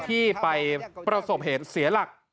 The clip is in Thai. ที่ไปประสบเหตุเสียหลัก